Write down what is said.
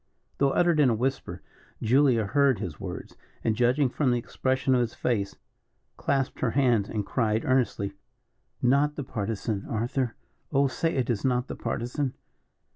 Though uttered in a whisper, Julia heard his words, and judging from the expression of his face, clasped her hands, and cried, earnestly: "Not the Partisan, Arthur oh, say it is not the Partisan."